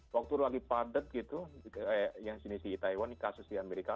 waktu lagi padat gitu yang sini taiwan kasus di amerika